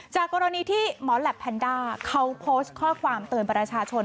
กรณีที่หมอแหลปแพนด้าเขาโพสต์ข้อความเตือนประชาชน